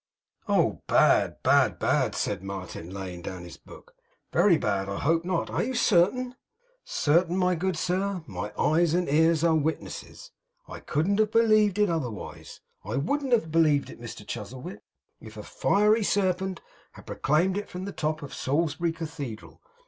'Oh! bad, bad, bad!' said Martin, laying down his book. 'Very bad! I hope not. Are you certain?' 'Certain, my good sir! My eyes and ears are witnesses. I wouldn't have believed it otherwise. I wouldn't have believed it, Mr Chuzzlewit, if a Fiery Serpent had proclaimed it from the top of Salisbury Cathedral.